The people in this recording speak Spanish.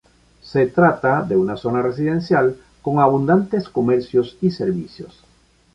Se trata de una zona residencial con abundantes comercios y servicios.